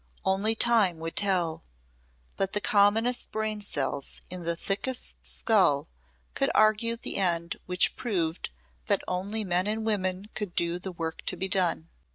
Only time would tell. But the commonest brain cells in the thickest skull could argue to the end which proved that only men and women could do the work to be done.